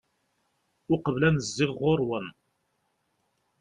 uqbel ad n-zziɣ ɣur-wen